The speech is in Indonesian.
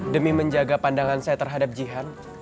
demi menjaga pandangan saya terhadap jihan